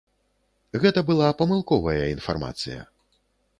Гэта была памылковая інфармацыя.